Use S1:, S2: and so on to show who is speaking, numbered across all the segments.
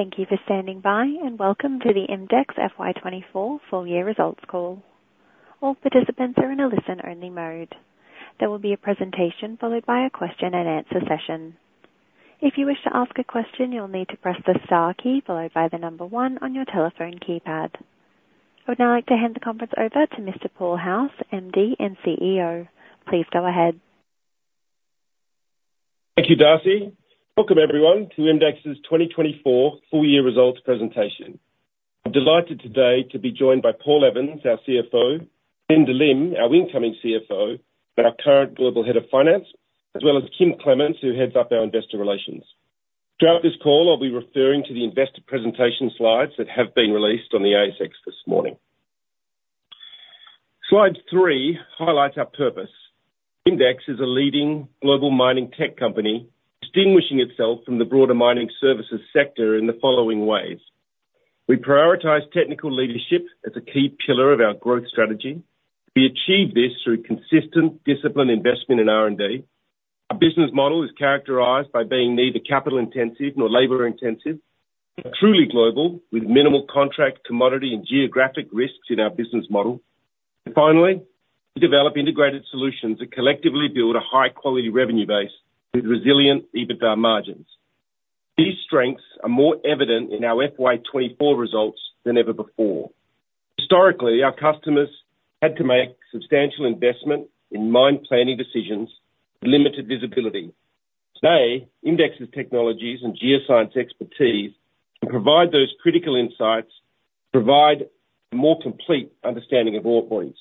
S1: Thank you for standing by, and welcome to the IMDEX FY 2024 Full Year Results Call. All participants are in a listen-only mode. There will be a presentation, followed by a question and answer session. If you wish to ask a question, you'll need to press the star key followed by the number one on your telephone keypad. I would now like to hand the conference over to Mr. Paul House, MD and CEO. Please go ahead.
S2: Thank you, Darcy. Welcome everyone, to IMDEX's twenty twenty-four full year results presentation. I'm delighted today to be joined by Paul Evans, our CFO, Linda Lim, our incoming CFO, and our current Global Head of Finance, as well as Kym Clements, who heads up our investor relations. Throughout this call, I'll be referring to the investor presentation slides that have been released on the ASX this morning. Slide three highlights our purpose. IMDEX is a leading global mining tech company, distinguishing itself from the broader mining services sector in the following ways: We prioritize technical leadership as a key pillar of our growth strategy. We achieve this through consistent discipline, investment in R&D. Our business model is characterized by being neither capital-intensive nor labor-intensive, but truly global, with minimal contract, commodity, and geographic risks in our business model. And finally, we develop integrated solutions that collectively build a high-quality revenue base with resilient EBITDA margins. These strengths are more evident in our FY 2024 results than ever before. Historically, our customers had to make substantial investment in mine planning decisions with limited visibility. Today, IMDEX's technologies and geoscience expertise can provide those critical insights, provide a more complete understanding of ore bodies.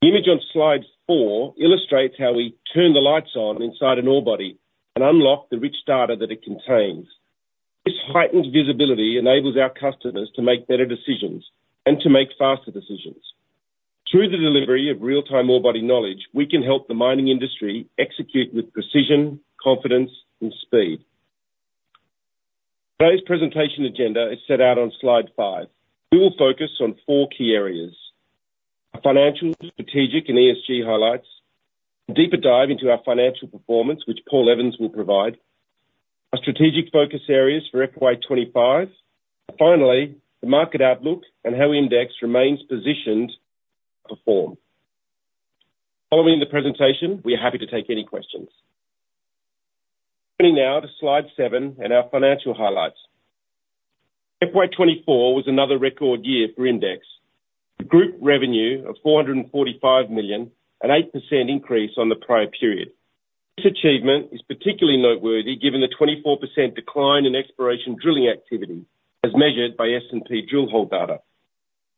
S2: The image on slide four illustrates how we turn the lights on inside an ore body and unlock the rich data that it contains. This heightened visibility enables our customers to make better decisions and to make faster decisions. Through the delivery of real-time ore body knowledge, we can help the mining industry execute with precision, confidence, and speed. Today's presentation agenda is set out on slide five. We will focus on four key areas: our financial, strategic, and ESG highlights, a deeper dive into our financial performance, which Paul Evans will provide, our strategic focus areas for FY 2025, and finally, the market outlook and how IMDEX remains positioned to perform. Following the presentation, we are happy to take any questions. Turning now to slide seven and our financial highlights. FY 2024 was another record year for IMDEX. The group revenue of 445 million, an 8% increase on the prior period. This achievement is particularly noteworthy given the 24% decline in exploration drilling activity as measured by S&P drill hole data.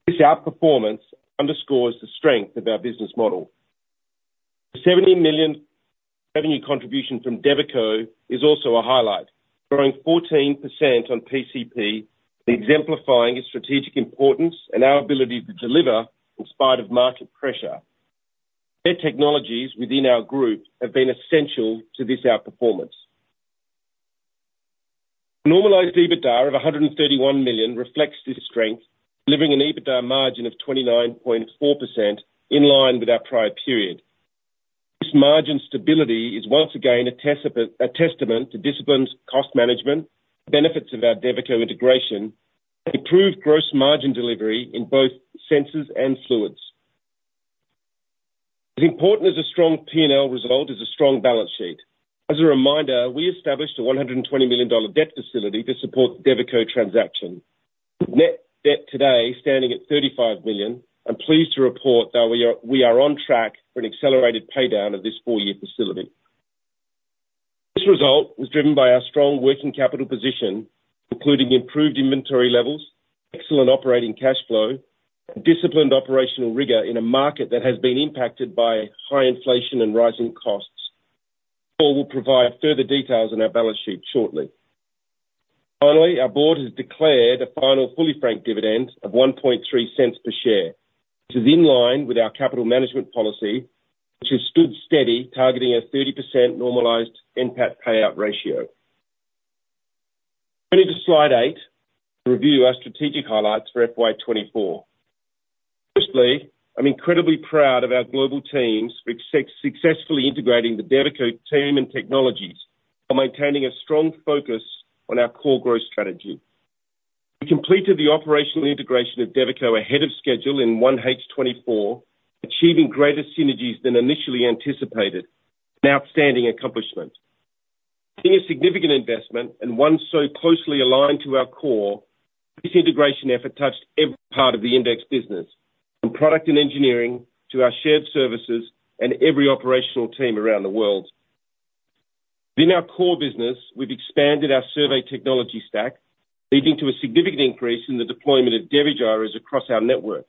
S2: This outperformance underscores the strength of our business model. The 70 million revenue contribution from Devico is also a highlight, growing 14% on PCP, exemplifying its strategic importance and our ability to deliver in spite of market pressure. Their technologies within our group have been essential to this outperformance. Normalized EBITDA of 131 million reflects this strength, delivering an EBITDA margin of 29.4% in line with our prior period. This margin stability is once again a testament to disciplined cost management, benefits of our Devico integration, improved gross margin delivery in both sensors and fluids. As important as a strong P&L result is a strong balance sheet. As a reminder, we established a 120 million dollar debt facility to support the Devico transaction. Net debt today standing at 35 million. I'm pleased to report that we are on track for an accelerated paydown of this four-year facility. This result was driven by our strong working capital position, including improved inventory levels, excellent operating cash flow, and disciplined operational rigor in a market that has been impacted by high inflation and rising costs. Paul will provide further details on our balance sheet shortly. Finally, our board has declared a final fully franked dividend of 0.013 per share, which is in line with our capital management policy, which has stood steady, targeting a 30% normalized NPAT payout ratio. Turning to slide eight, to review our strategic highlights for FY 2024. Firstly, I'm incredibly proud of our global teams for successfully integrating the Devico team and technologies while maintaining a strong focus on our core growth strategy. We completed the operational integration of Devico ahead of schedule in 1H 2024, achieving greater synergies than initially anticipated. An outstanding accomplishment. Being a significant investment and one so closely aligned to our core, this integration effort touched every part of the IMDEX business, from product and engineering to our shared services and every operational team around the world. In our core business, we've expanded our survey technology stack, leading to a significant increase in the deployment of DeviGyros across our network.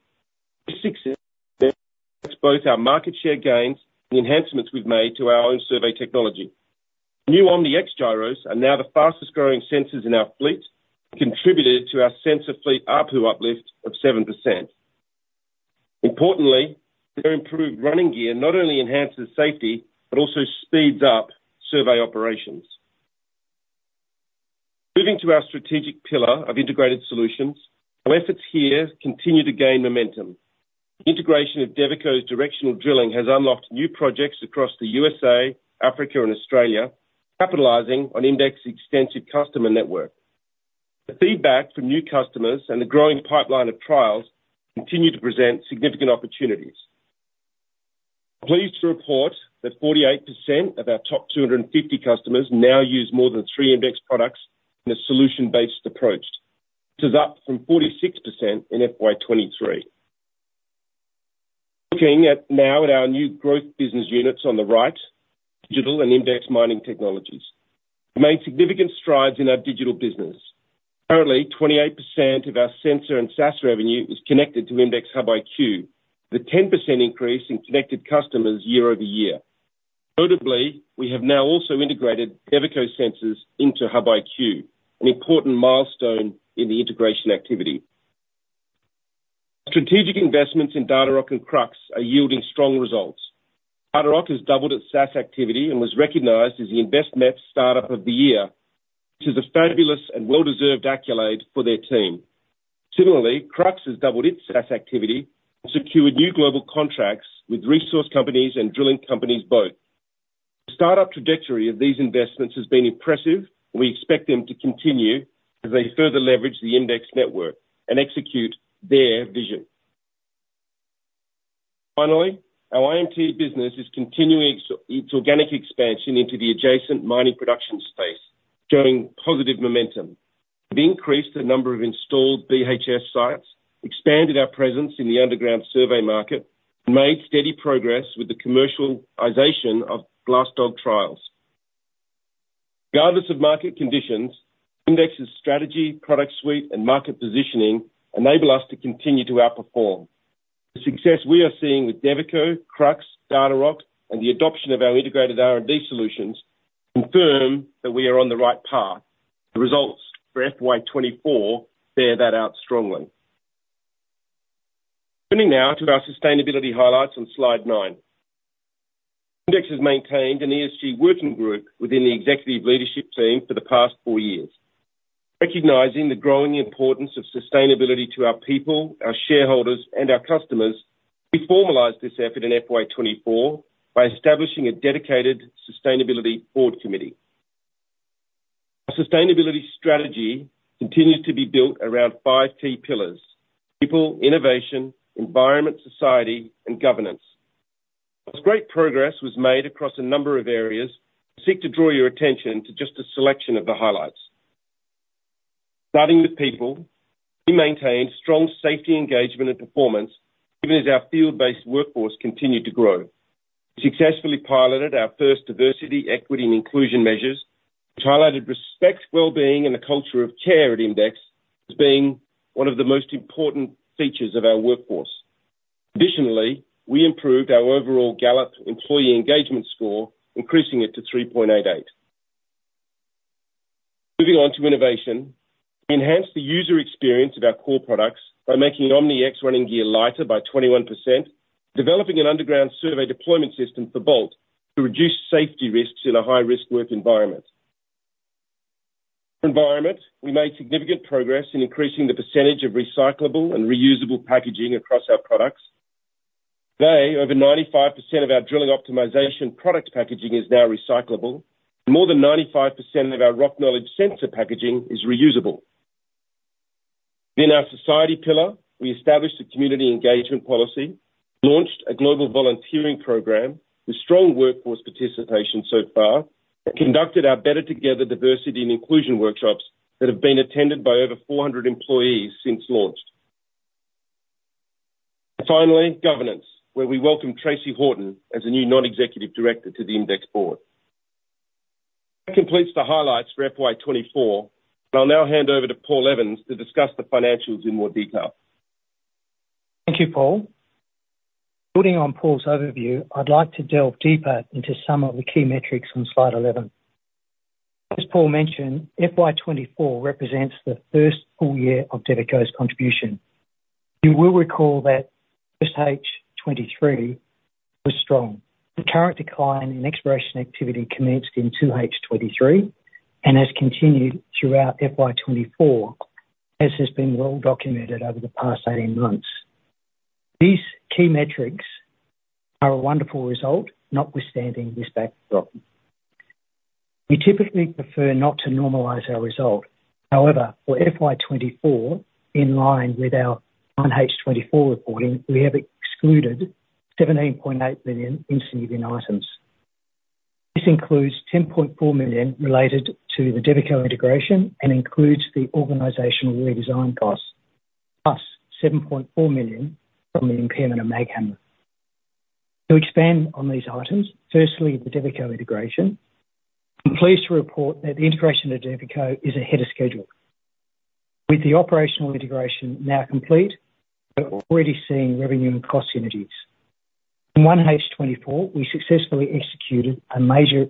S2: This success, both our market share gains and the enhancements we've made to our own survey technology. New OMNIx gyros are now the fastest growing sensors in our fleet, contributed to our sensor fleet ARPU uplift of 7%. Importantly, their improved running gear not only enhances safety, but also speeds up survey operations. Moving to our strategic pillar of integrated solutions, our efforts here continue to gain momentum. The integration of Devico's directional drilling has unlocked new projects across the USA, Africa, and Australia, capitalizing on IMDEX's extensive customer network. The feedback from new customers and the growing pipeline of trials continue to present significant opportunities. I'm pleased to report that 48% of our top 250 customers now use more than three IMDEX products in a solution-based approach. This is up from 46% in FY 2023. Looking at our new growth business units on the right, Digital and IMDEX Mining Technologies. We made significant strides in our digital business. Currently, 28% of our sensor and SaaS revenue is connected to IMDEXHUB-IQ, with a 10% increase in connected customers year-over-year. Notably, we have now also integrated Devico sensors into HUB-IQ, an important milestone in the integration activity. Strategic investments in Datarock and Krux are yielding strong results. Datarock has doubled its SaaS activity and was recognized as the InvestMETS Startup of the Year, which is a fabulous and well-deserved accolade for their team. Similarly, Krux has doubled its SaaS activity and secured new global contracts with resource companies and drilling companies both. The start-up trajectory of these investments has been impressive. We expect them to continue as they further leverage the IMDEX network and execute their vision. Finally, our IMT business is continuing its organic expansion into the adjacent mining production space, showing positive momentum. We increased the number of installed BHS sites, expanded our presence in the underground survey market, and made steady progress with the commercialization of BLASTDOG trials. Regardless of market conditions, IMDEX's strategy, product suite, and market positioning enable us to continue to outperform. The success we are seeing with Devico, Krux, Datarock, and the adoption of our integrated R&D solutions confirm that we are on the right path. The results for FY 2024 bear that out strongly. Turning now to our sustainability highlights on slide nine. IMDEX has maintained an ESG working group within the executive leadership team for the past four years. Recognizing the growing importance of sustainability to our people, our shareholders, and our customers, we formalized this effort in FY 2024 by establishing a dedicated sustainability board committee. Our sustainability strategy continues to be built around five key pillars: people, innovation, environment, society, and governance. As great progress was made across a number of areas, I seek to draw your attention to just a selection of the highlights. Starting with people, we maintained strong safety, engagement, and performance, even as our field-based workforce continued to grow. We successfully piloted our first diversity, equity, and inclusion measures, which highlighted respect, wellbeing, and a culture of care at IMDEX as being one of the most important features of our workforce. Additionally, we improved our overall Gallup employee engagement score, increasing it to 3.88. Moving on to innovation, we enhanced the user experience of our core products by making OMNIx running gear lighter by 21%, developing an underground survey deployment system for BOLT to reduce safety risks in a high-risk work environment. Environment, we made significant progress in increasing the percentage of recyclable and reusable packaging across our products. Today, over 95% of our drilling optimization product packaging is now recyclable. More than 95% of our rock knowledge sensor packaging is reusable. In our society pillar, we established a community engagement policy, launched a global volunteering program with strong workforce participation so far, and conducted our Better Together diversity and inclusion workshops that have been attended by over 400 employees since launched. And finally, governance, where we welcome Tracey Horton as a new Non-Executive Director to the IMDEX board. That completes the highlights for FY 2024, and I'll now hand over to Paul Evans to discuss the financials in more detail.
S3: Thank you, Paul. Building on Paul's overview, I'd like to delve deeper into some of the key metrics on slide 11. As Paul mentioned, FY 2024 represents the first full year of Devico's contribution. You will recall that 1H 2023 was strong. The current decline in exploration activity commenced in 2H 2023 and has continued throughout FY 2024, as has been well documented over the past 18 months. These key metrics are a wonderful result, notwithstanding this backdrop. We typically prefer not to normalize our result. However, for FY 2024, in line with our 1H 2024 reporting, we have excluded 17.8 million in. This includes 10.4 million related to the Devico integration and includes the organizational redesign costs, plus 7.4 million from the impairment of MAGHAMMER. To expand on these items, firstly, the Devico integration. I'm pleased to report that the integration of Devico is ahead of schedule. With the operational integration now complete, we're already seeing revenue and cost synergies. In 1H 2024, we successfully executed a major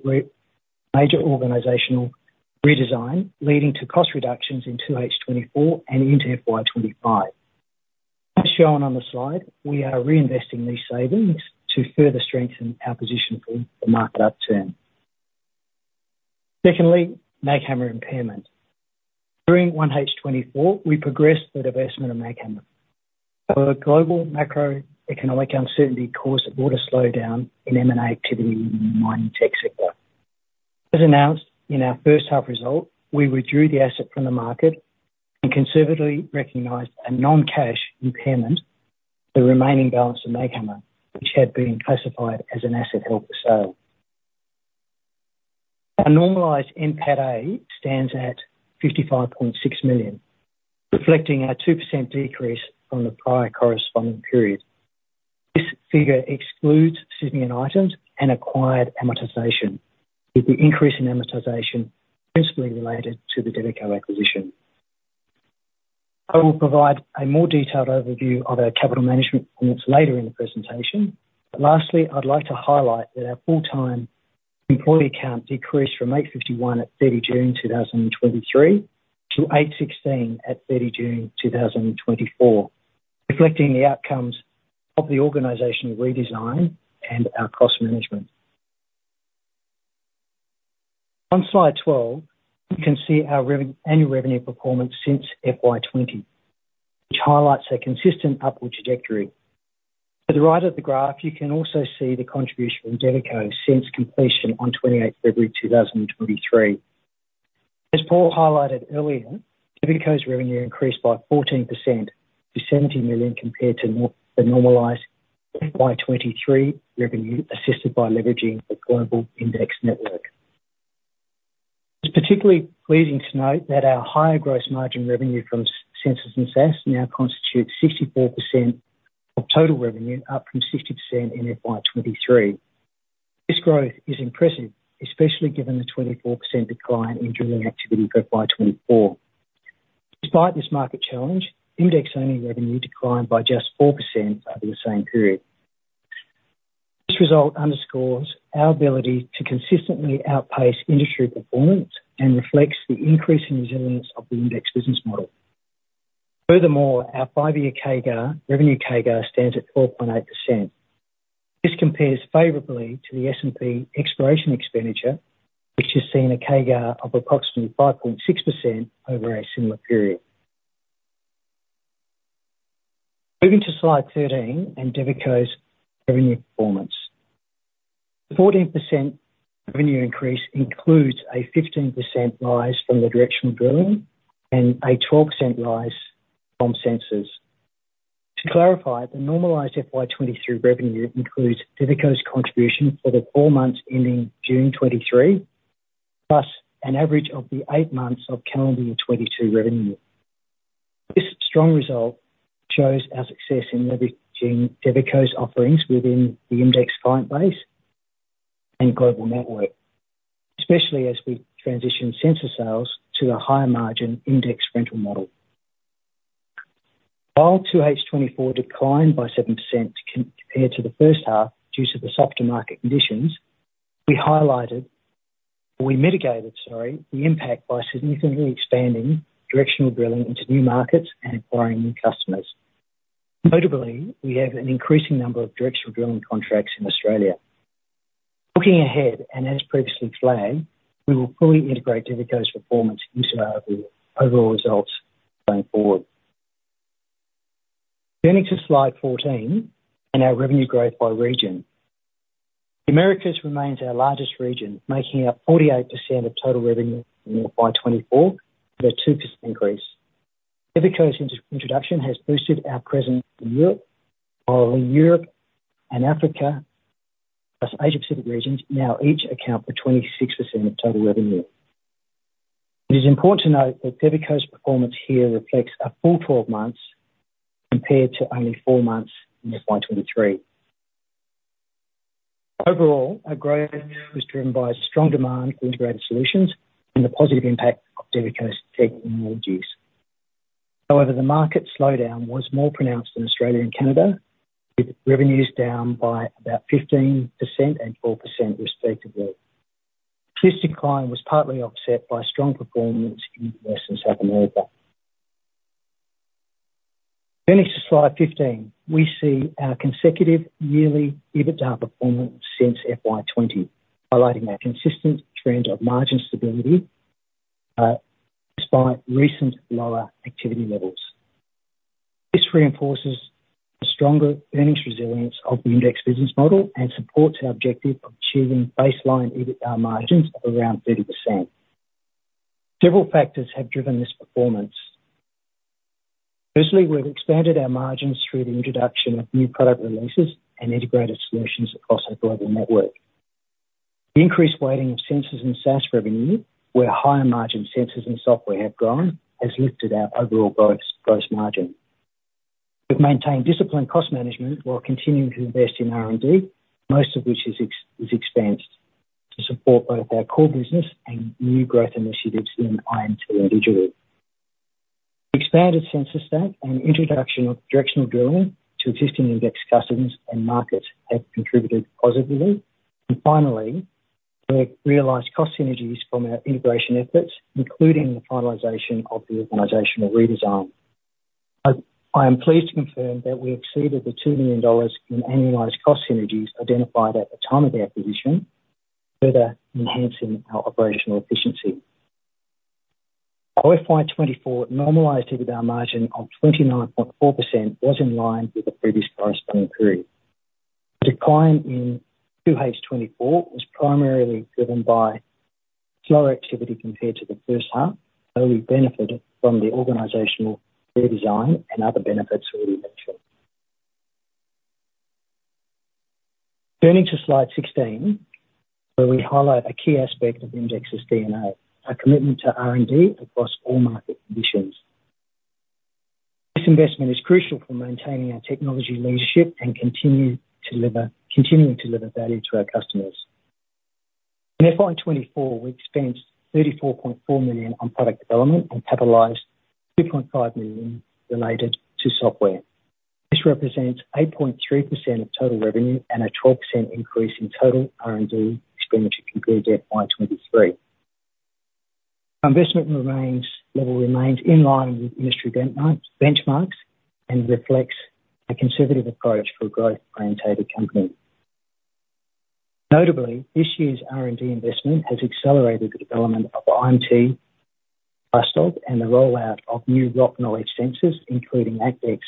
S3: organizational redesign, leading to cost reductions in 2H 2024 and into FY 2025. As shown on the slide, we are reinvesting these savings to further strengthen our position for the market upturn. Secondly, MAGHAMMER impairment. During 1H 2024, we progressed the divestment of MAGHAMMER. Our global macroeconomic uncertainty caused a broader slowdown in M&A activity in the mining tech sector. As announced in our first half result, we withdrew the asset from the market and conservatively recognized a non-cash impairment, the remaining balance of MAGHAMMER, which had been classified as an asset held for sale. Our normalized NPAT-A stands at 55.6 million, reflecting a 2% decrease from the prior corresponding period. This figure excludes significant items and acquired amortization, with the increase in amortization principally related to the Devico acquisition. I will provide a more detailed overview of our capital management performance later in the presentation. But lastly, I'd like to highlight that our full-time employee count decreased from 851 at 30 June 2023 to 816 at 30 June 2024, reflecting the outcomes of the organizational redesign and our cost management. On slide 12, you can see our annual revenue performance since FY 2020, which highlights a consistent upward trajectory. To the right of the graph, you can also see the contribution from Devico since completion on 28 February 2023. As Paul highlighted earlier, Devico's revenue increased by 14% to 70 million, compared to the normalized FY 2023 revenue, assisted by leveraging the global IMDEX network. It's particularly pleasing to note that our higher gross margin revenue from sensors and SaaS now constitutes 64% of total revenue, up from 60% in FY 2023. This growth is impressive, especially given the 24% decline in drilling activity for FY 2024. Despite this market challenge, IMDEX revenue declined by just 4% over the same period. This result underscores our ability to consistently outpace industry performance and reflects the increasing resilience of the IMDEX business model. Furthermore, our five-year CAGR, revenue CAGR stands at 4.8%. This compares favorably to the S&P exploration expenditure, which has seen a CAGR of approximately 5.6% over a similar period. Moving to slide 13 and Devico's revenue performance. The 14% revenue increase includes a 15% rise from the directional drilling and a 12% rise from services. To clarify, the normalized FY 2023 revenue includes Devico's contribution for the four months ending June 2023, plus an average of the eight months of calendar year 2022 revenue. This strong result shows our success in leveraging Devico's offerings within the index client base and global network, especially as we transition sensor sales to a higher margin index rental model. While 2H 2024 declined by 7% compared to the first half due to the softer market conditions, we mitigated, sorry, the impact by significantly expanding directional drilling into new markets and acquiring new customers. Notably, we have an increasing number of directional drilling contracts in Australia. Looking ahead, and as previously flagged, we will fully integrate Devico's performance into our overall results going forward. Turning to slide 14 and our revenue growth by region. Americas remains our largest region, making up 48% of total revenue in FY 2024, with a 2% increase. Devico's introduction has boosted our presence in Europe, while in Europe and Africa, plus Asia Pacific regions, now each account for 26% of total revenue. It is important to note that Devico's performance here reflects a full 12 months, compared to only four months in FY 2023. Overall, our growth was driven by a strong demand for integrated solutions and the positive impact of Devico's tech. However, the market slowdown was more pronounced in Australia and Canada, with revenues down by about 15% and 4%, respectively. This decline was partly offset by strong performance in North and South America. Turning to slide 15. We see our consecutive yearly EBITDA performance since FY 2020, highlighting our consistent trend of margin stability, despite recent lower activity levels. This reinforces the stronger earnings resilience of the IMDEX business model and supports our objective of achieving baseline EBITDA margins of around 30%. Several factors have driven this performance. Firstly, we've expanded our margins through the introduction of new product releases and integrated solutions across our global network. The increased weighting of sensors and SaaS revenue, where higher margin sensors and software have gone, has lifted our overall gross margin. We've maintained disciplined cost management while continuing to invest in R&D, most of which is expensed to support both our core business and new growth initiatives in IMT. Expanded sensor stack and introduction of directional drilling to existing IMDEX customers and markets have contributed positively. Finally, we realized cost synergies from our integration efforts, including the finalization of the organizational redesign. I am pleased to confirm that we exceeded 2 million dollars in annualized cost synergies identified at the time of the acquisition, further enhancing our operational efficiency. Our FY 2024 normalized EBITDA margin of 29.4% was in line with the previous corresponding period. Decline in 2H 2024 was primarily driven by slower activity compared to the first half, where we benefited from the organizational redesign and other benefits we mentioned. Turning to slide 16, where we highlight a key aspect of IMDEX's DNA, our commitment to R&D across all market conditions. This investment is crucial for maintaining our technology leadership and continue to deliver, continuing to deliver value to our customers. In FY 2024, we spent AUD 34.4 million on product development and capitalized AUD 2.5 million related to software. This represents 8.3% of total revenue and a 12% increase in total R&D expenditure compared to FY 2023. Our investment level remains in line with industry benchmarks and reflects a conservative approach for a growth-oriented company. Notably, this year's R&D investment has accelerated the development of IMT, BLASTDOG, and the rollout of new rock knowledge sensors, including ACTx.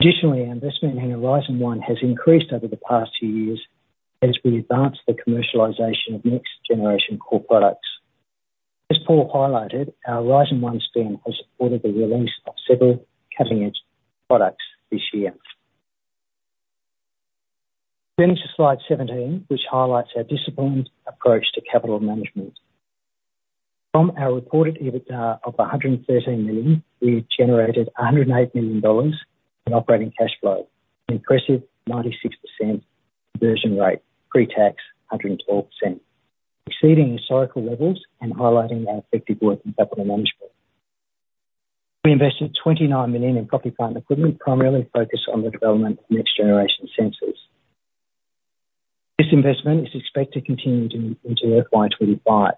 S3: Additionally, our investment in Horizon 1 has increased over the past two years as we advance the commercialization of next generation core products. As Paul highlighted, our Horizon 1 team has supported the release of several cutting-edge products this year. Turning to slide 17, which highlights our disciplined approach to capital management. From our reported EBITDA of 113 million, we generated 108 million dollars in operating cash flow, an impressive 96% conversion rate, pre-tax, 112%, exceeding historical levels and highlighting our effective work in capital management. We invested 29 million in property, plant, and equipment, primarily focused on the development of next generation sensors. This investment is expected to continue into FY 2025.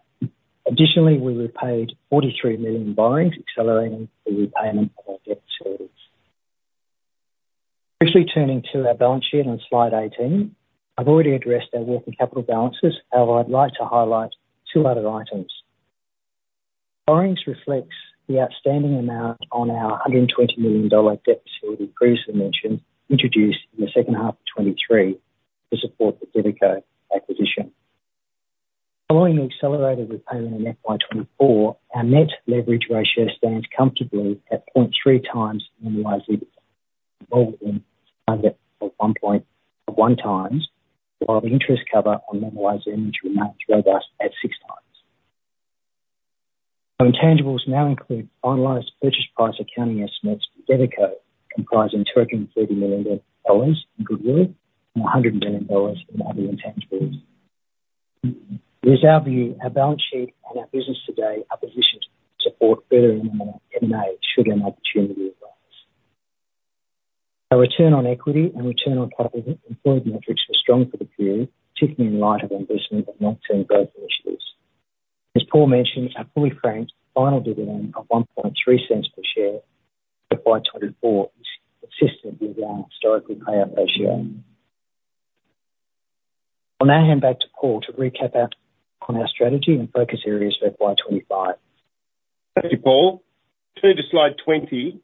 S3: Additionally, we repaid 43 million borrowings, accelerating the repayment of our debt facilities. Officially turning to our balance sheet on slide 18. I've already addressed our working capital balances. However, I'd like to highlight two other items. Borrowings reflects the outstanding amount on our 120 million dollar debt facility previously mentioned, introduced in the second half of 2023 to support the Devico acquisition. Following the accelerated repayment in FY 2024, our net leverage ratio stands comfortably at 0.3x normalized EBITDA, target of 1.1x, while the interest cover on normalized robust at 6x. Our intangibles now include finalized purchase price accounting estimates for Devico, comprising 13.3 million dollars in goodwill and 100 million dollars in other intangibles. It is our view. Our balance sheet and our business today are positioned to support further M&A should an opportunity arise. Our return on equity and return on capital employed metrics were strong for the period, particularly in light of investment in long-term growth initiatives. As Paul mentioned, our fully franked final dividend of 0.013 per share for FY 2024 is consistent with our historical payout ratio. I'll now hand back to Paul to recap on our strategy and focus areas for FY 2025.
S2: Thank you, Paul. Turning to slide 20.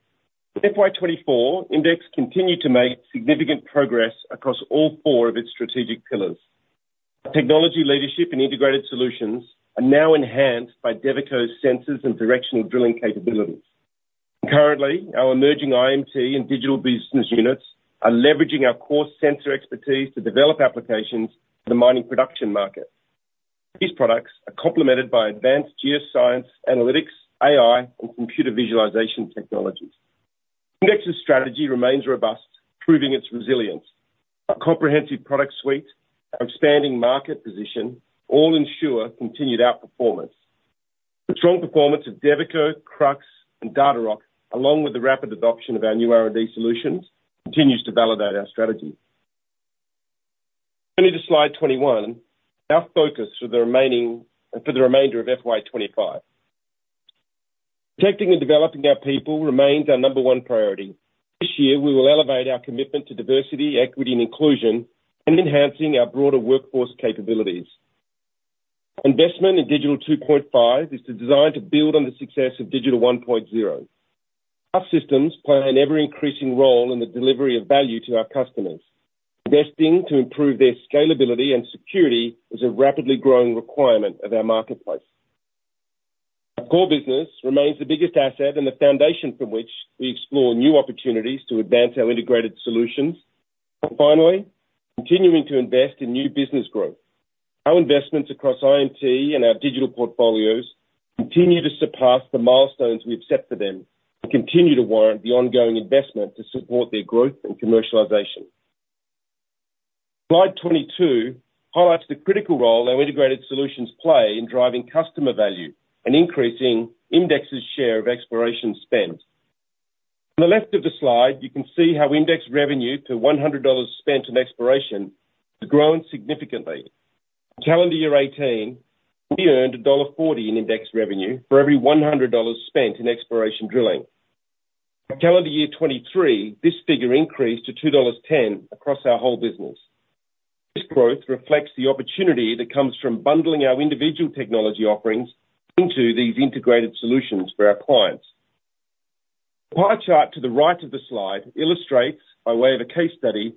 S2: FY 2024, IMDEX continued to make significant progress across all four of its strategic pillars. Technology leadership and integrated solutions are now enhanced by Devico's sensors and directional drilling capabilities. Currently, our emerging IMT and digital business units are leveraging our core sensor expertise to develop applications for the mining production market. These products are complemented by advanced geoscience, analytics, AI, and computer visualization technologies. IMDEX's strategy remains robust, proving its resilience. Our comprehensive product suite, our expanding market position, all ensure continued outperformance. The strong performance of Devico, Krux, and Datarock, along with the rapid adoption of our new R&D solutions, continues to validate our strategy. Turning to slide 21, our focus for the remainder of FY 2025. Protecting and developing our people remains our number one priority. This year, we will elevate our commitment to diversity, equity, and inclusion, and enhancing our broader workforce capabilities. Investment in Digital 2.5 is designed to build on the success of Digital 1.0. Our systems play an ever-increasing role in the delivery of value to our customers. Investing to improve their scalability and security is a rapidly growing requirement of our marketplace. Our core business remains the biggest asset and the foundation from which we explore new opportunities to advance our integrated solutions. Finally, continuing to invest in new business growth. Our investments across IMT and our digital portfolios continue to surpass the milestones we've set for them and continue to warrant the ongoing investment to support their growth and commercialization. Slide 22 highlights the critical role our integrated solutions play in driving customer value and increasing IMDEX's share of exploration spend. On the left of the slide, you can see how IMDEX revenue to 100 dollars spent in exploration has grown significantly. Calendar year 2018, we earned dollar 1.40 in IMDEX revenue for every 100 dollars spent in exploration drilling. By calendar year 2023, this figure increased to 2.10 dollars across our whole business. This growth reflects the opportunity that comes from bundling our individual technology offerings into these integrated solutions for our clients. Pie chart to the right of the slide illustrates, by way of a case study,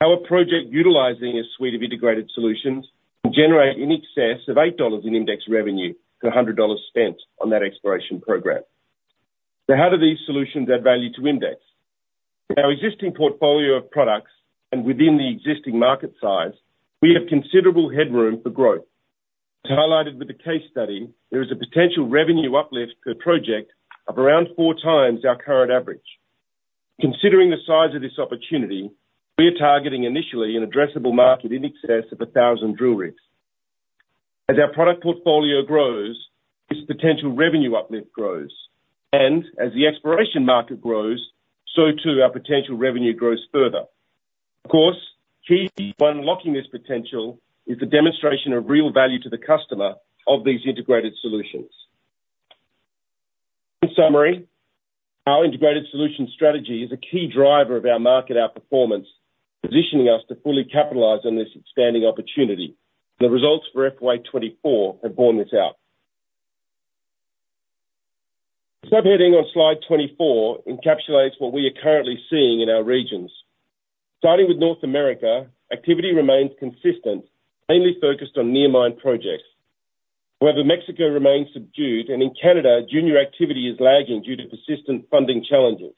S2: how a project utilizing a suite of integrated solutions can generate in excess of 8 dollars in IMDEX revenue per 100 dollars spent on that exploration program. So how do these solutions add value to IMDEX? In our existing portfolio of products and within the existing market size, we have considerable headroom for growth. As highlighted with the case study, there is a potential revenue uplift per project of around four times our current average. Considering the size of this opportunity, we are targeting initially an addressable market in excess of a thousand drill rigs. As our product portfolio grows, this potential revenue uplift grows, and as the exploration market grows, so too our potential revenue grows further. Of course, key to unlocking this potential is the demonstration of real value to the customer of these integrated solutions. In summary, our integrated solution strategy is a key driver of our market, our performance, positioning us to fully capitalize on this expanding opportunity. The results for FY 2024 have borne this out. Subheading on slide 24 encapsulates what we are currently seeing in our regions. Starting with North America, activity remains consistent, mainly focused on near-mine projects. However, Mexico remains subdued, and in Canada, junior activity is lagging due to persistent funding challenges.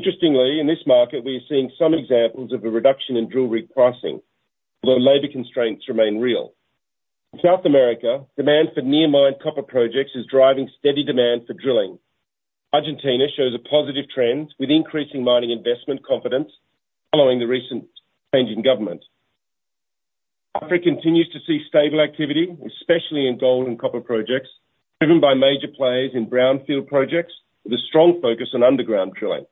S2: Interestingly, in this market, we are seeing some examples of a reduction in drill rig pricing, although labor constraints remain real. In South America, demand for near-mine copper projects is driving steady demand for drilling. Argentina shows a positive trend, with increasing mining investment confidence following the recent change in government. Africa continues to see stable activity, especially in gold and copper projects, driven by major players in brownfield projects with a strong focus on underground drilling.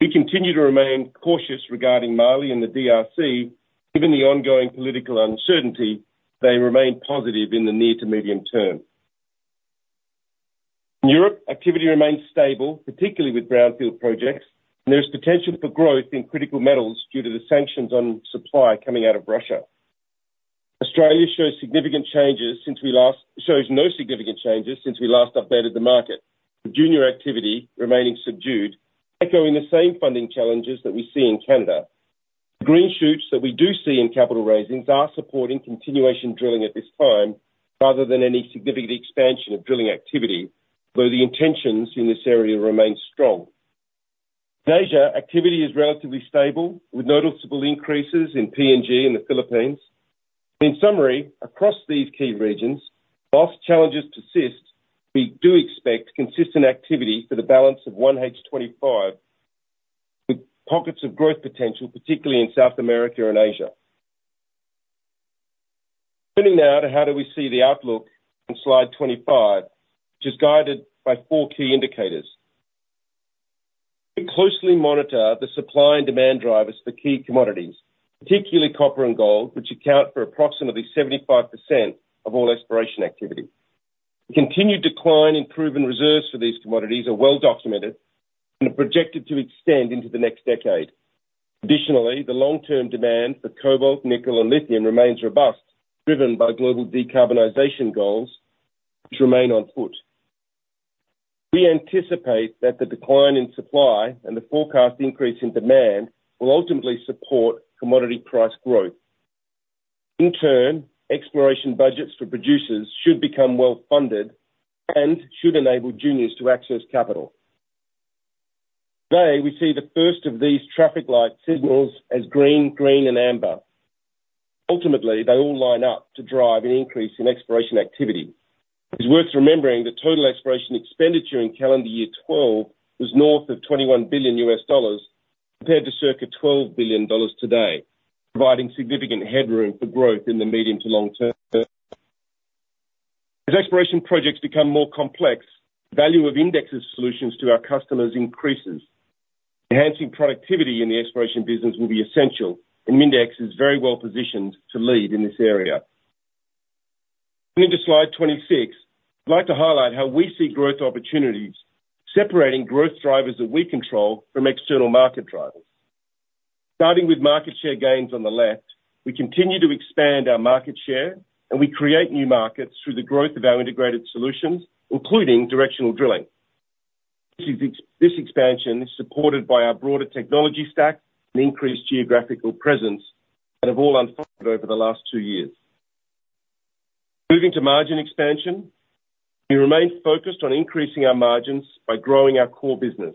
S2: We continue to remain cautious regarding Mali and the DRC. Given the ongoing political uncertainty, they remain positive in the near to medium term. In Europe, activity remains stable, particularly with brownfield projects, and there is potential for growth in critical metals due to the sanctions on supply coming out of Russia. Australia shows no significant changes since we last updated the market. The junior activity remaining subdued, echoing the same funding challenges that we see in Canada. The green shoots that we do see in capital raisings are supporting continuation drilling at this time, rather than any significant expansion of drilling activity, though the intentions in this area remain strong. In Asia, activity is relatively stable, with noticeable increases in PNG and the Philippines. In summary, across these key regions, while challenges persist, we do expect consistent activity for the balance of 1H 2025, with pockets of growth potential, particularly in South America and Asia. Turning now to how do we see the outlook on slide 25, which is guided by four key indicators. We closely monitor the supply and demand drivers for key commodities, particularly copper and gold, which account for approximately 75% of all exploration activity. The continued decline in proven reserves for these commodities are well documented and are projected to extend into the next decade. Additionally, the long-term demand for cobalt, nickel, and lithium remains robust, driven by global decarbonization goals, which remain afoot. We anticipate that the decline in supply and the forecast increase in demand will ultimately support commodity price growth. In turn, exploration budgets for producers should become well funded and should enable juniors to access capital. Today, we see the first of these traffic light signals as green, green, and amber. Ultimately, they all line up to drive an increase in exploration activity. It's worth remembering that total exploration expenditure in calendar year 2012 was north of $21 billion, compared to circa $12 billion today, providing significant headroom for growth in the medium to long term. As exploration projects become more complex, the value of IMDEX's solutions to our customers increases. Enhancing productivity in the exploration business will be essential, and IMDEX is very well positioned to lead in this area. Moving to slide 26, I'd like to highlight how we see growth opportunities, separating growth drivers that we control from external market drivers. Starting with market share gains on the left, we continue to expand our market share, and we create new markets through the growth of our integrated solutions, including directional drilling. This expansion is supported by our broader technology stack and increased geographical presence that have all unfolded over the last two years. Moving to margin expansion, we remain focused on increasing our margins by growing our core business.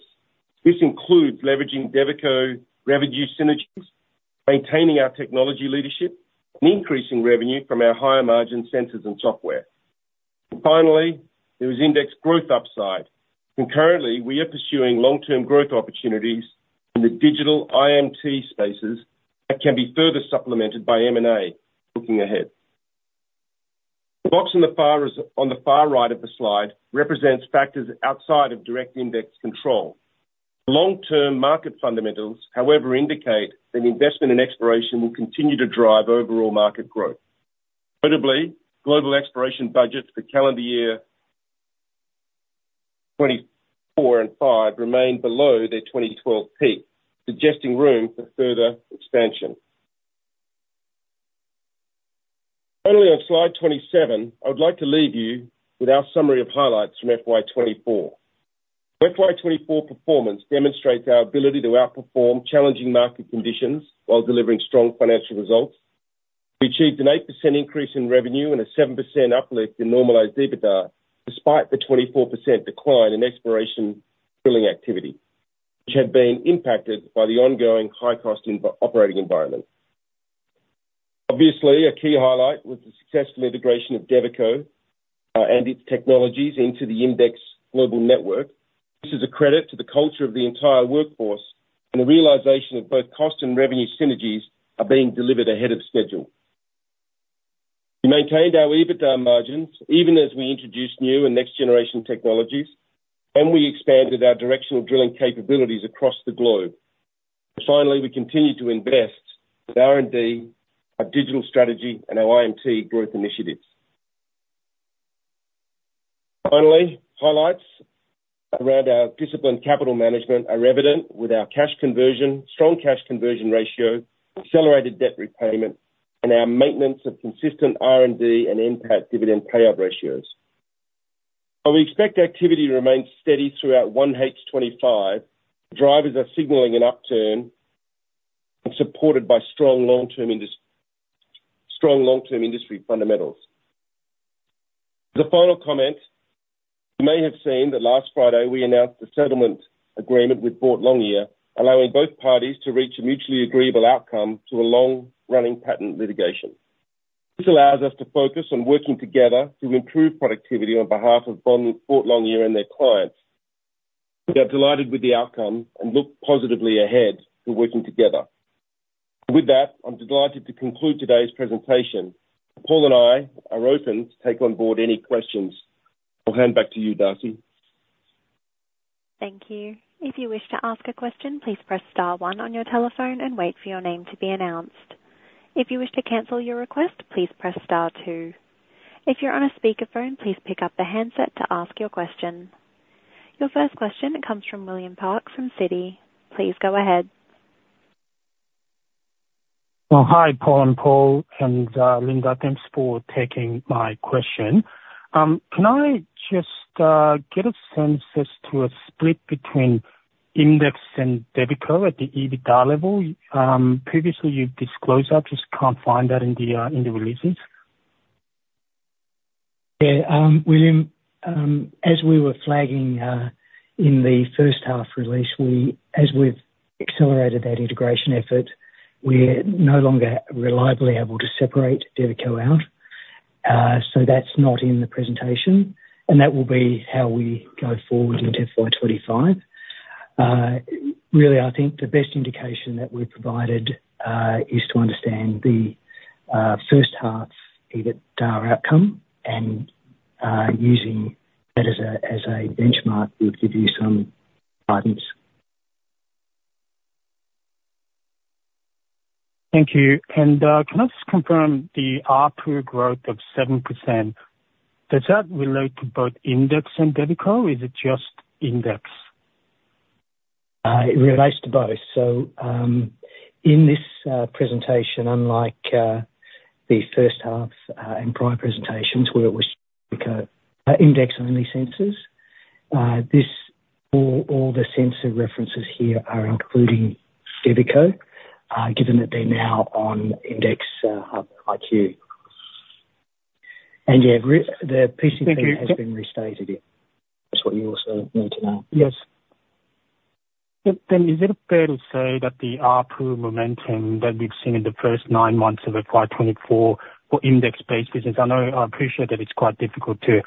S2: This includes leveraging Devico revenue synergies, maintaining our technology leadership, and increasing revenue from our higher margin sensors and software. Finally, there is IMDEX growth upside. Currently, we are pursuing long-term growth opportunities in the digital IMT spaces that can be further supplemented by M&A looking ahead. The box on the far right of the slide represents factors outside of direct IMDEX control. Long-term market fundamentals, however, indicate that investment and exploration will continue to drive overall market growth. Notably, global exploration budgets for calendar year 2024 and 2025 remain below their 2012 peak, suggesting room for further expansion. Finally, on slide 27, I would like to leave you with our summary of highlights from FY 2024. FY 2024 performance demonstrates our ability to outperform challenging market conditions while delivering strong financial results. We achieved an 8% increase in revenue and a 7% uplift in normalized EBITDA, despite the 24% decline in exploration drilling activity, which had been impacted by the ongoing high-cost operating environment. Obviously, a key highlight was the successful integration of Devico and its technologies into the IMDEX global network. This is a credit to the culture of the entire workforce, and the realization of both cost and revenue synergies are being delivered ahead of schedule. We maintained our EBITDA margins even as we introduced new and next generation technologies, and we expanded our directional drilling capabilities across the globe. Finally, we continued to invest with R&D, our digital strategy, and our IMT growth initiatives. Finally, highlights around our disciplined capital management are evident with our cash conversion, strong cash conversion ratio, accelerated debt repayment, and our maintenance of consistent R&D and impact dividend payout ratios. While we expect activity to remain steady throughout 1H 2025, drivers are signaling an upturn and supported by strong long-term industry fundamentals. The final comment, you may have seen that last Friday, we announced a settlement agreement with Boart Longyear, allowing both parties to reach a mutually agreeable outcome to a long-running patent litigation. This allows us to focus on working together to improve productivity on behalf of Boart Longyear and their clients. We are delighted with the outcome and look positively ahead to working together. With that, I'm delighted to conclude today's presentation. Paul and I are open to take on board any questions. I'll hand back to you, Darcy.
S1: Thank you. If you wish to ask a question, please press star one on your telephone and wait for your name to be announced. If you wish to cancel your request, please press star two. If you're on a speakerphone, please pick up the handset to ask your question. Your first question comes from William Park from Citi. Please go ahead.
S4: Hi, Paul and Paul and Linda. Thanks for taking my question. Can I just get a sense as to a split between IMDEX and Devico at the EBITDA level? Previously, you've disclosed that. Just can't find that in the releases.
S3: Yeah. William, as we were flagging, in the first half release, we, as we've accelerated that integration effort, we're no longer reliably able to separate Devico out. So that's not in the presentation, and that will be how we go forward into FY 2025. Really, I think the best indication that we've provided, is to understand the, first half's EBITDA outcome and, using that as a, as a benchmark will give you some guidance.
S4: Thank you. And, can I just confirm the ARPU growth of 7%, does that relate to both IMDEX and Devico, or is it just IMDEX?
S3: It relates to both. So, in this presentation, unlike the first half and prior presentations, where it was IMDEX-only sensors, all the sensor references here are including Devico, given that they're now on IMDEXHUB-IQ. And, yeah,
S4: Thank you.
S3: The PCP has been restated. Yeah. That's what you also need to know.
S4: Yes. But then, is it fair to say that the ARPU momentum that we've seen in the first nine months of FY 2024 for IMDEX-based business, I know, I appreciate that it's quite difficult to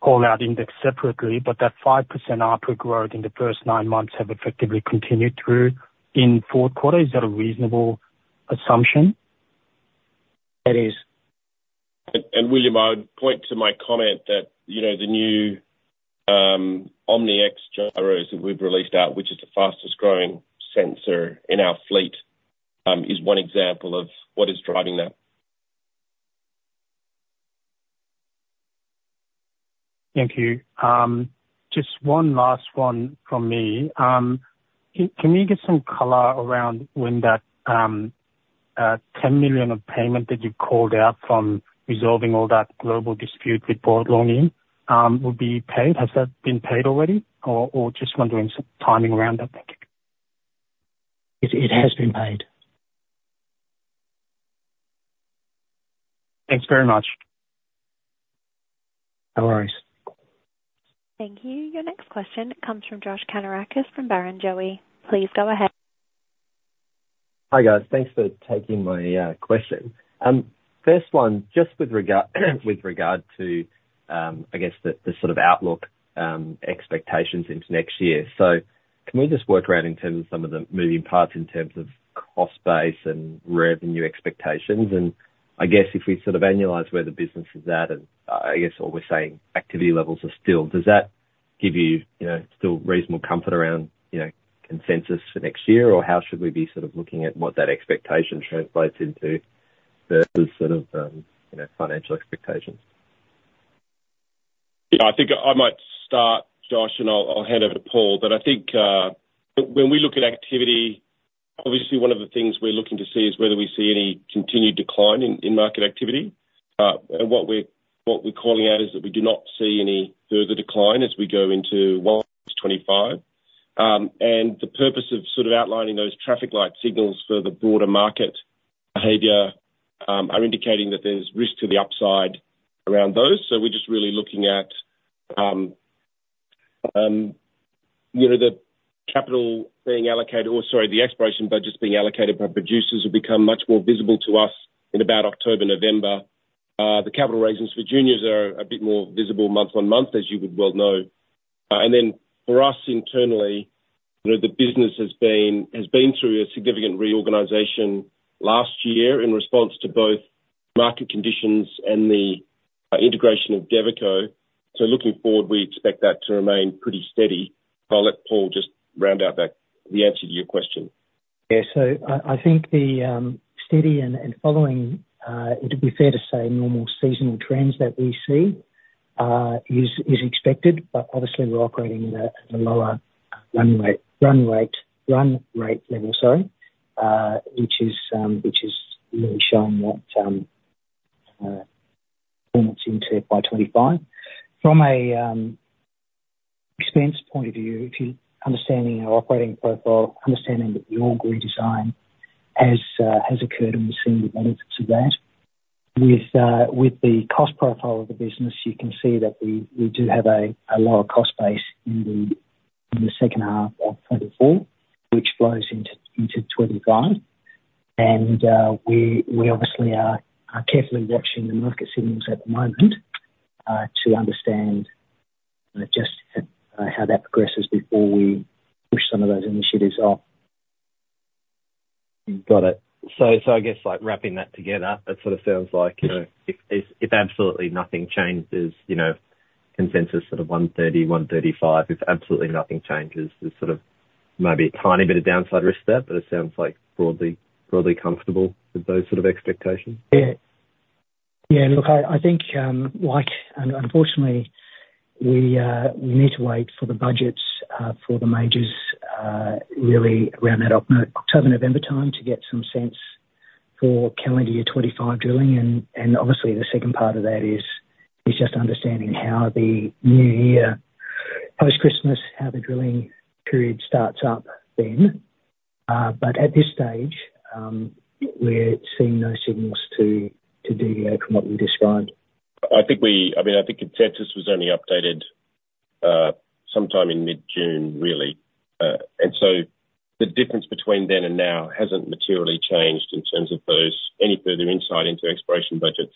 S4: call out IMDEX separately, but that 5% ARPU growth in the first nine months have effectively continued through in fourth quarter? Is that a reasonable assumption?
S3: It is.
S2: William, I would point to my comment that, you know, the new OMNIx gyros that we've released out, which is the fastest growing sensor in our fleet, is one example of what is driving that.
S4: Thank you. Just one last one from me. Can we get some color around when that 10 million payment that you called out from resolving all that global dispute with Boart Longyear will be paid? Has that been paid already, or just wondering some timing around that, thank you.
S3: It has been paid.
S4: Thanks very much.
S3: No worries.
S1: Thank you. Your next question comes from Josh Kannourakis, from Barrenjoey. Please go ahead.
S5: Hi, guys. Thanks for taking my question. First one, just with regard to, I guess the sort of outlook, expectations into next year. So can we just walk around in terms of some of the moving parts, in terms of cost base and revenue expectations. And I guess if we sort of annualize where the business is at, and I guess all we're saying, activity levels are still, does that give you, you know, still reasonable comfort around, you know, consensus for next year? Or how should we be sort of looking at what that expectation translates into versus sort of, you know, financial expectations?
S2: Yeah, I think I might start, Josh, and I'll hand over to Paul, but I think when we look at activity, obviously one of the things we're looking to see is whether we see any continued decline in market activity. And what we're calling out is that we do not see any further decline as we go into 2025. And the purpose of sort of outlining those traffic light signals for the broader market behavior are indicating that there's risk to the upside around those. So we're just really looking at, you know, the capital being allocated... or sorry, the exploration budgets being allocated by producers have become much more visible to us in about October, November. The capital raises for juniors are a bit more visible month on month, as you would well know. And then for us, internally, you know, the business has been through a significant reorganization last year in response to both market conditions and the integration of Devico. So looking forward, we expect that to remain pretty steady. I'll let Paul just round out that, the answer to your question.
S3: Yeah. So I think the steady and following, it'd be fair to say, normal seasonal trends that we see is expected, but obviously we're operating at a lower run rate level, which is really showing that performance into by 2025. From an expense point of view, if you're understanding our operating profile, understanding that the org redesign has occurred, and we're seeing the benefits of that. With the cost profile of the business, you can see that we do have a lower cost base in the second half of 2024, which flows into 2025. We obviously are carefully watching the market signals at the moment to understand just how that progresses before we push some of those initiatives off.
S5: Got it. So I guess, like, wrapping that together, it sort of sounds like, you know, if absolutely nothing changes, you know, consensus sort of 1.30, 1.35, if absolutely nothing changes, there's sort of maybe a tiny bit of downside risk there, but it sounds like broadly comfortable with those sort of expectations.
S3: Yeah. Yeah, look, I think, unfortunately, we need to wait for the budgets for the majors, really around that October, November time to get some sense for calendar year 2025 drilling. And obviously, the second part of that is just understanding how the new year, post-Christmas, how the drilling period starts up then. But at this stage, we're seeing no signals to deviate from what we described.
S2: I mean, I think consensus was only updated sometime in mid-June, really, and so the difference between then and now hasn't materially changed in terms of those, any further insight into exploration budgets,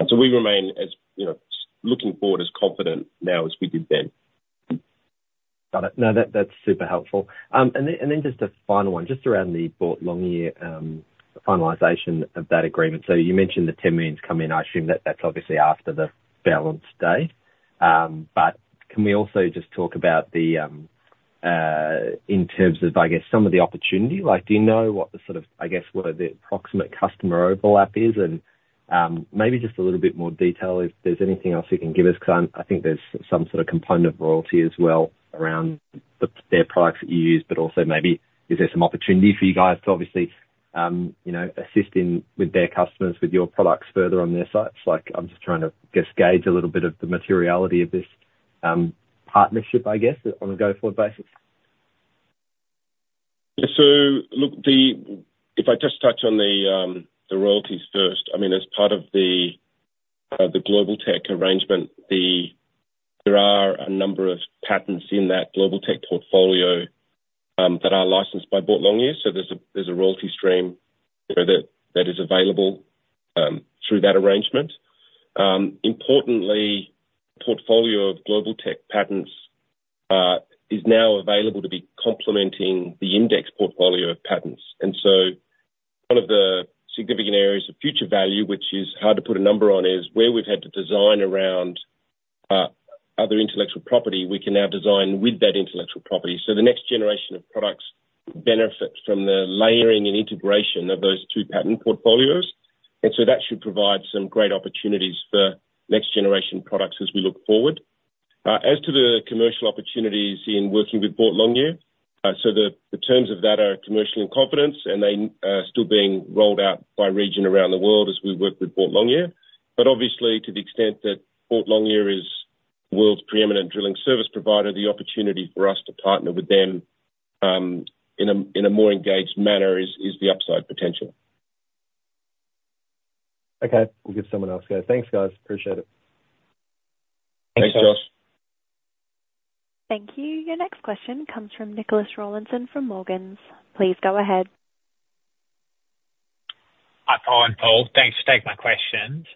S2: and so we remain as, you know, looking forward as confident now as we did then.
S5: Got it. No, that, that's super helpful. And then just a final one, just around the Boart Longyear finalization of that agreement. So you mentioned the 10 million come in. I assume that's obviously after the balance date. But can we also just talk about the in terms of, I guess, some of the opportunity? Like, do you know what the sort of, I guess, what the approximate customer overlap is? And maybe just a little bit more detail if there's anything else you can give us, 'cause I'm, I think there's some sort of component royalty as well around their products that you use. But also maybe, is there some opportunity for you guys to obviously you know, assist in with their customers, with your products further on their sites? Like, I'm just trying to, I guess, gauge a little bit of the materiality of this, partnership, I guess, on a go-forward basis.
S2: So look, if I just touch on the royalties first, I mean, as part of the Globaltech arrangement, there are a number of patents in that Globaltech portfolio that are licensed by Boart Longyear, so there's a royalty stream, you know, that is available through that arrangement. Importantly, portfolio of Globaltech patents is now available to be complementing the IMDEX portfolio of patents. And so one of the significant areas of future value, which is hard to put a number on, is where we've had to design around other intellectual property, we can now design with that intellectual property. So the next generation of products benefit from the layering and integration of those two patent portfolios, and so that should provide some great opportunities for next generation products as we look forward. As to the commercial opportunities in working with Boart Longyear, so the terms of that are commercial in confidence, and they are still being rolled out by region around the world as we work with Boart Longyear. But obviously, to the extent that Boart Longyear is the world's preeminent drilling service provider, the opportunity for us to partner with them in a more engaged manner is the upside potential.
S5: Okay. We'll give someone else a go. Thanks, guys. Appreciate it.
S2: Thanks, Josh.
S1: Thank you. Your next question comes from Nicholas Rawlinson from Morgans. Please go ahead.
S6: Hi, Paul. Thanks for taking my questions.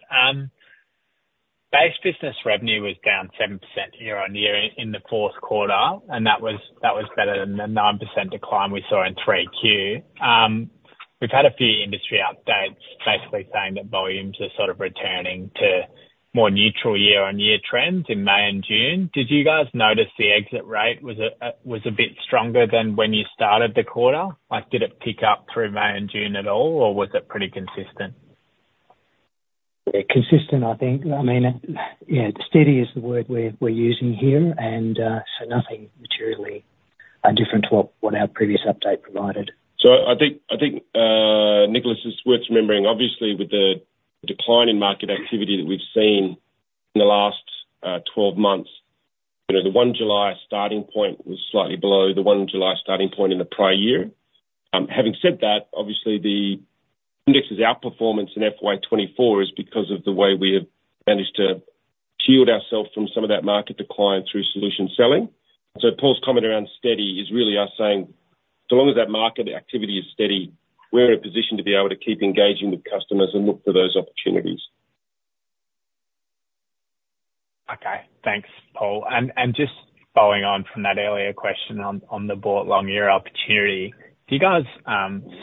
S6: Base business revenue was down 7% year-on-year in the fourth quarter, and that was better than the 9% decline we saw in 3Q. We've had a few industry updates, basically saying that volumes are sort of returning to more neutral year-on-year trends in May and June. Did you guys notice the exit rate was a bit stronger than when you started the quarter? Like, did it pick up through May and June at all, or was it pretty consistent?
S3: Yeah, consistent, I think. I mean, yeah, steady is the word we're using here, and so nothing materially different to what our previous update provided.
S2: So I think, Nicholas, it's worth remembering, obviously, with the decline in market activity that we've seen in the last 12 months, you know, the one July starting point was slightly below the one July starting point in the prior year. Having said that, obviously IMDEX's outperformance in FY 2024 is because of the way we have managed to shield ourselves from some of that market decline through solution selling. Paul's comment around steady is really us saying, so long as that market activity is steady, we're in a position to be able to keep engaging with customers and look for those opportunities.
S6: Okay. Thanks, Paul. And just following on from that earlier question on the Boart Longyear opportunity, do you guys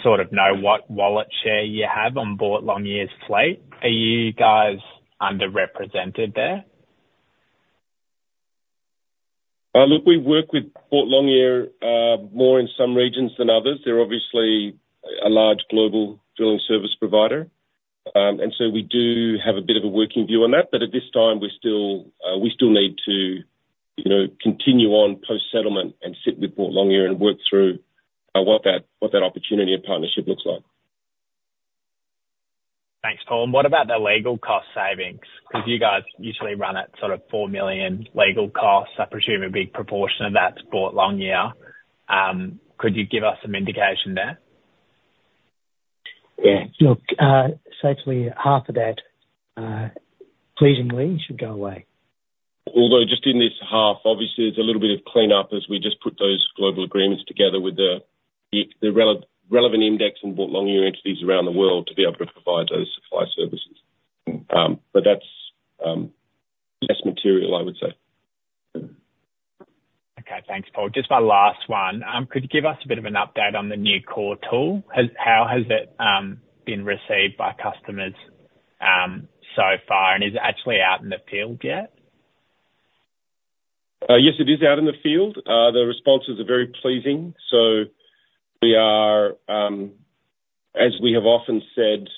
S6: sort of know what wallet share you have on Boart Longyear's fleet? Are you guys underrepresented there?
S2: Look, we work with Boart Longyear more in some regions than others. They're obviously a large global drilling service provider, and so we do have a bit of a working view on that, but at this time, we're still we need to, you know, continue on post-settlement and sit with Boart Longyear and work through what that opportunity and partnership looks like.
S6: Thanks, Paul. And what about the legal cost savings? 'Cause you guys usually run at sort of 4 million legal costs. I presume a big proportion of that's Boart Longyear. Could you give us some indication there?
S3: Yeah. Look, say, half of that, pleasingly should go away.
S2: Although just in this half, obviously there's a little bit of cleanup as we just put those global agreements together with the relevant IMDEX and Boart Longyear entities around the world to be able to provide those supply services. But that's less material, I would say.
S6: Okay. Thanks, Paul. Just my last one: Could you give us a bit of an update on the new core tool? How has it been received by customers so far? And is it actually out in the field yet?
S2: Yes, it is out in the field. The responses are very pleasing. So we are, as we have often said,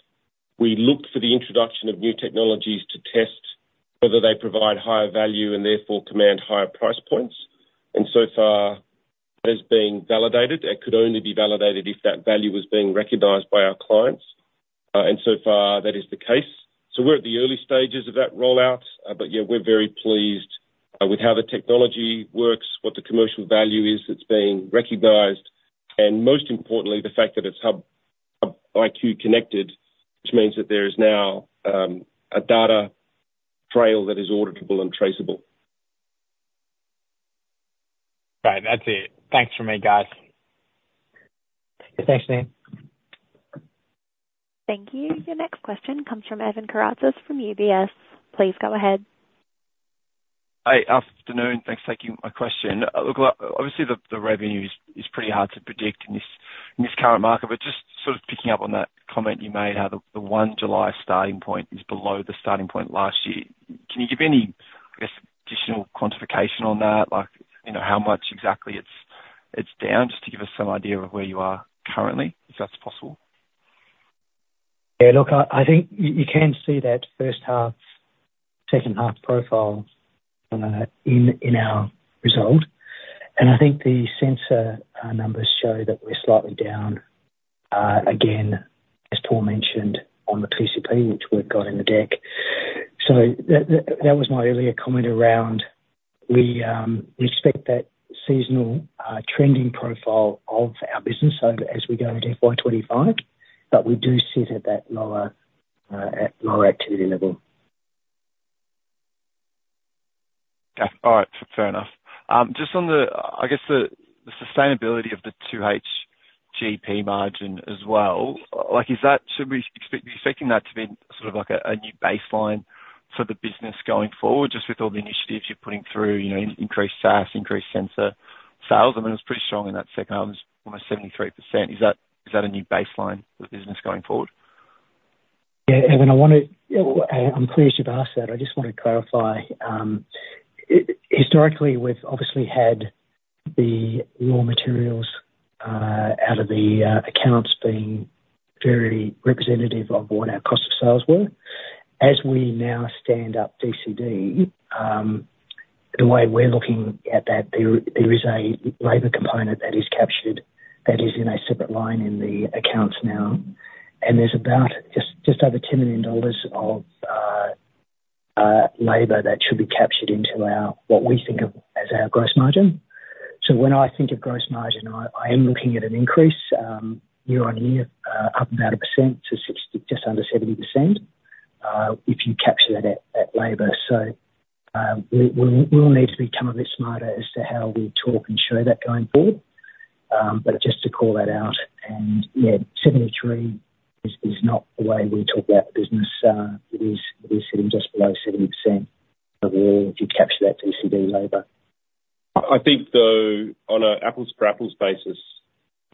S2: we look for the introduction of new technologies to test whether they provide higher value and therefore command higher price points, and so far that has been validated. It could only be validated if that value was being recognized by our clients. And so far, that is the case. So we're at the early stages of that rollout, but yeah, we're very pleased with how the technology works, what the commercial value is that's being recognized, and most importantly, the fact that it's HUB-IQ connected, which means that there is now a data trail that is auditable and traceable.
S6: Right. That's it. Thanks from me, guys.
S3: Thanks, Nick.
S1: Thank you. Your next question comes from Evan Karatzas from UBS. Please go ahead.
S7: Hi. Afternoon. Thanks for taking my question. Look, like, obviously, the revenue is pretty hard to predict in this current market, but just sort of picking up on that comment you made, how the one July starting point is below the starting point last year. Can you give any, I guess, additional quantification on that? Like, you know, how much exactly it's down, just to give us some idea of where you are currently, if that's possible.
S3: Yeah, look, I think you can see that first half, second half profile in our result, and I think the sensor numbers show that we're slightly down again, as Paul mentioned, on the PCP, which we've got in the deck. So that was my earlier comment around we expect that seasonal trending profile of our business so as we go into FY 2025, but we do sit at that lower activity level.
S7: Okay. All right. Fair enough. Just on the, I guess, the sustainability of the 2H GP margin as well, like, is that... Should we be expecting that to be sort of like a new baseline for the business going forward, just with all the initiatives you're putting through, you know, increased SaaS, increased sensor sales? I mean, it was pretty strong in that second half, it was almost 73%. Is that a new baseline for the business going forward?
S3: Yeah, Evan, I wanna. I'm pleased you've asked that. I just want to clarify, historically, we've obviously had the raw materials out of the accounts being very representative of what our cost of sales were. As we now stand up DCD, the way we're looking at that, there, there is a labor component that is captured, that is in a separate line in the accounts now, and there's about just, just over 10 million dollars of labor that should be captured into our, what we think of as our gross margin. So when I think of gross margin, I, I am looking at an increase, year-on-year, up about a percent to 60%, just under 70%. If you capture that at labor. We will need to become a bit smarter as to how we talk and show that going forward. Just to call that out, and yeah, 73 is not the way we talk about the business. It is sitting just below 70% overall, if you capture that DCD labor.
S2: I think, though, on an apples-for-apples basis,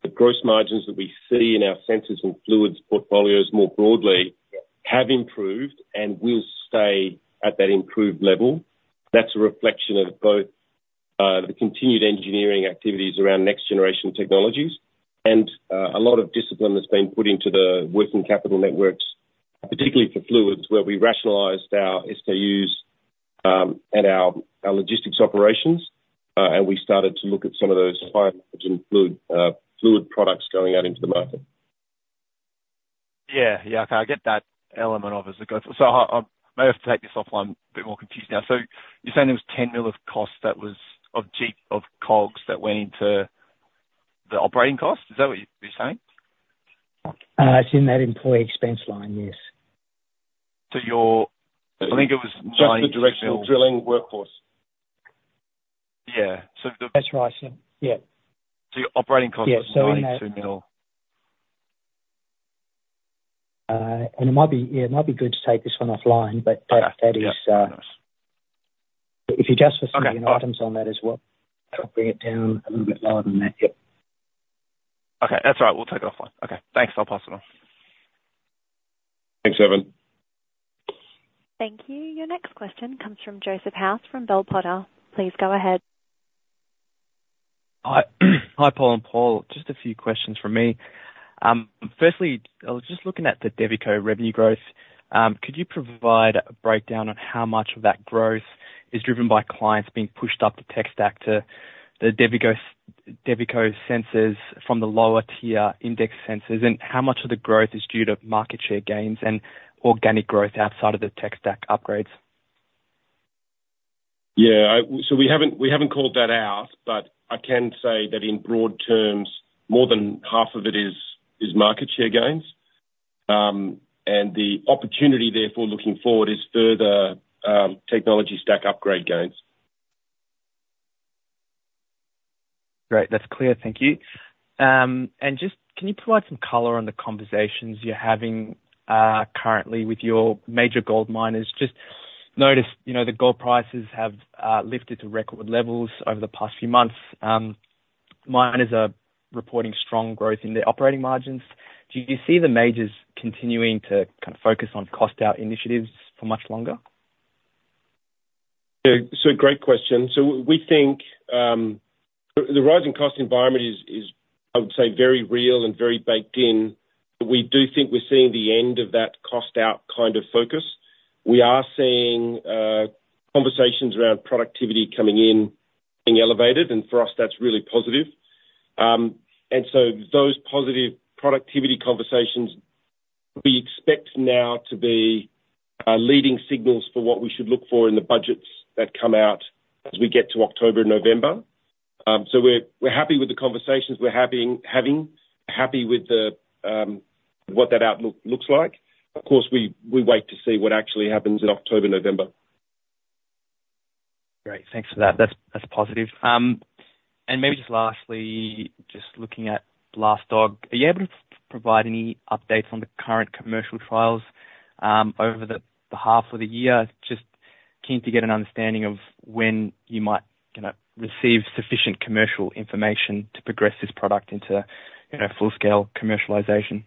S2: the gross margins that we see in our sensors and fluids portfolios more broadly, have improved and will stay at that improved level. That's a reflection of both, the continued engineering activities around next generation technologies, and, a lot of discipline that's been put into the working capital networks, particularly for fluids, where we rationalized our SKUs, and our logistics operations, and we started to look at some of those high-margin fluid, fluid products going out into the market.
S7: Yeah. Yeah, okay, I get that element of it. So I, I may have to take this offline, a bit more confused now. So you're saying it was 10 million of cost that was of COGS that went into the operating cost? Is that what you're saying?
S3: It's in that employee expense line, yes.
S7: I think it was nine.
S2: Just the directional drilling workforce.
S7: Yeah, so the.
S3: That's right, sir. Yeah.
S7: Your operating cost was.
S3: And it might be... Yeah, it might be good to take this one offline, but.
S7: Yeah.
S3: That is, if you adjust for.
S7: Okay.
S3: Items on that as well, it'll bring it down a little bit lower than that. Yep.
S7: Okay. That's all right, we'll take it offline. Okay, thanks. I'll pass it on.
S2: Thanks, Evan.
S1: Thank you. Your next question comes from Joseph House, from Bell Potter. Please go ahead.
S8: Hi. Hi, Paul and Paul. Just a few questions from me. Firstly, I was just looking at the Devico revenue growth. Could you provide a breakdown on how much of that growth is driven by clients being pushed up the tech stack to the Devico, Devico sensors from the lower tier IMDEX sensors? And how much of the growth is due to market share gains and organic growth outside of the tech stack upgrades?
S2: Yeah. So we haven't called that out, but I can say that in broad terms, more than half of it is market share gains. And the opportunity, therefore, looking forward, is further technology stack upgrade gains.
S8: Great. That's clear. Thank you. And just can you provide some color on the conversations you're having currently with your major gold miners? Just noticed, you know, the gold prices have lifted to record levels over the past few months. Miners are reporting strong growth in their operating margins. Do you see the majors continuing to kind of focus on cost out initiatives for much longer?
S2: Yeah, so great question. So we think the rising cost environment is, I would say, very real and very baked in, but we do think we're seeing the end of that cost out kind of focus. We are seeing conversations around productivity coming in, being elevated, and for us, that's really positive. And so those positive productivity conversations, we expect now to be leading signals for what we should look for in the budgets that come out as we get to October, November. So we're happy with the conversations we're having. Happy with what that outlook looks like. Of course, we wait to see what actually happens in October, November.
S8: Great, thanks for that. That's, that's positive. And maybe just lastly, just looking at BLASTDOG, are you able to provide any updates on the current commercial trials, over the half of the year? Just keen to get an understanding of when you might, you know, receive sufficient commercial information to progress this product into, you know, full-scale commercialization.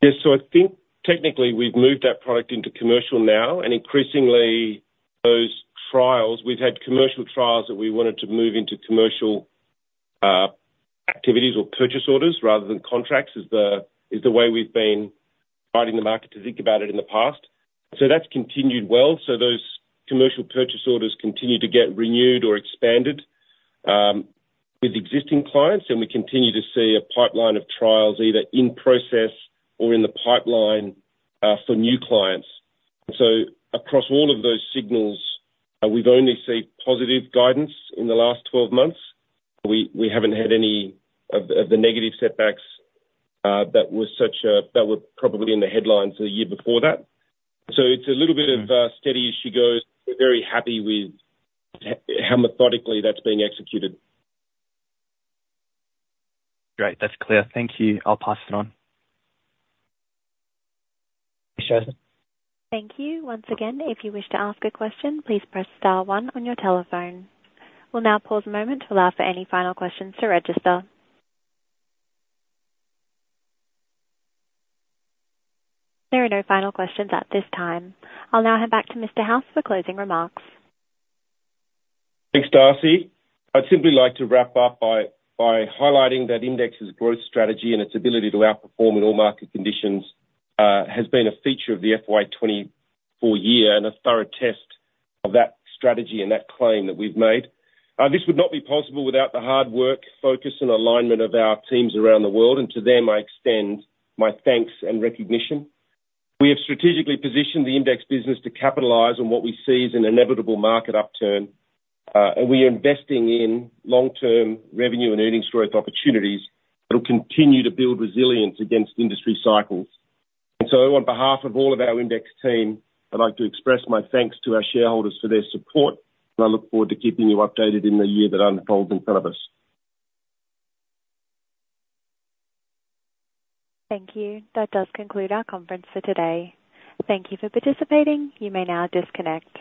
S2: Yes. So I think technically we've moved that product into commercial now, and increasingly those trials, we've had commercial trials that we wanted to move into commercial activities or purchase orders rather than contracts, is the way we've been guiding the market to think about it in the past. So that's continued well. So those commercial purchase orders continue to get renewed or expanded with existing clients, and we continue to see a pipeline of trials either in process or in the pipeline for new clients. So across all of those signals, we've only seen positive guidance in the last 12 months. We haven't had any of the negative setbacks that were probably in the headlines the year before that. So it's a little bit of steady as she goes. We're very happy with how methodically that's being executed.
S8: Great, that's clear. Thank you. I'll pass it on.
S1: Thank you. Once again, if you wish to ask a question, please press star one on your telephone. We'll now pause a moment to allow for any final questions to register. There are no final questions at this time. I'll now hand back to Mr. House for closing remarks.
S2: Thanks, Darcy. I'd simply like to wrap up by highlighting that IMDEX's growth strategy and its ability to outperform in all market conditions has been a feature of the FY 2024 year, and a thorough test of that strategy and that claim that we've made. This would not be possible without the hard work, focus, and alignment of our teams around the world, and to them, I extend my thanks and recognition. We have strategically positioned the IMDEX business to capitalize on what we see as an inevitable market upturn, and we are investing in long-term revenue and earnings growth opportunities that will continue to build resilience against industry cycles. On behalf of all of our IMDEX team, I'd like to express my thanks to our shareholders for their support, and I look forward to keeping you updated in the year that unfolds in front of us.
S1: Thank you. That does conclude our conference for today. Thank you for participating. You may now disconnect.